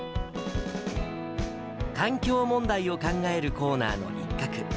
環境問題を考えるコーナーの一角。